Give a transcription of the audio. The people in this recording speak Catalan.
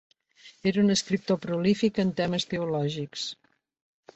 Era un escriptor prolífic en temes teològics.